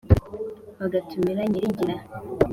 bagatumira nyirigira,